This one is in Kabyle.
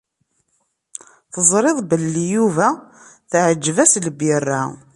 Teẓriḍ belli Yuba teɛǧeb-as lbira.